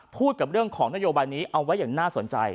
พูดกับเรื่องของนโยบายนี้เอาไว้อย่างน่าสนใจ